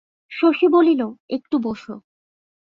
শশী বলিল, একটু বোসো।